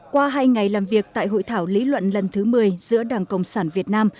qua hai ngày làm việc tại hội thảo lý luận lần thứ một mươi giữa đảng cộng sản việt nam